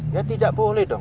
tapi tidak boleh dong